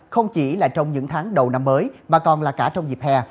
không chỉ là trong những tháng đầu năm mới mà còn là cả trong dịp hè